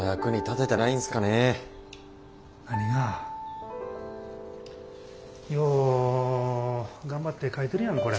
何が？よう頑張って書いてるやんこれ。